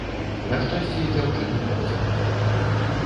На шчасце, дзяўчына не пацярпела.